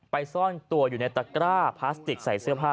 ซ่อนตัวอยู่ในตะกร้าพลาสติกใส่เสื้อผ้า